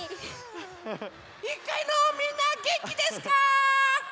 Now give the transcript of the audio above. １かいのみんなげんきですか？